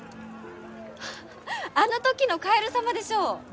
フフフあの時のカエル様でしょう？